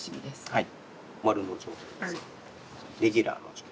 はい。